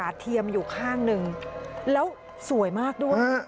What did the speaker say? เทียมอยู่ข้างหนึ่งแล้วสวยมากด้วย